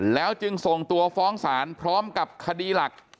แล้วจึงส่งตัวฟ้องศาลพร้อมกับคดีหลัก